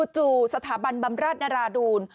จู่สถาบันบำราชนราดูล